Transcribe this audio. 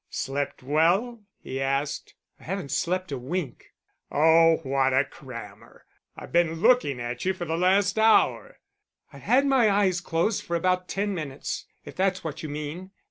"Slept well?" he asked. "I haven't slept a wink." "Oh, what a crammer. I've been looking at you for the last hour!" "I've had my eyes closed for about ten minutes, if that's what you mean."